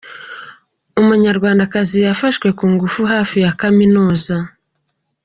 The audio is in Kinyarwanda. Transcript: Umunyarwandakazi yafashwe ku ngufu hafi ya Kaminuza